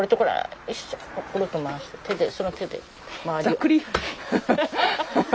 ざっくり。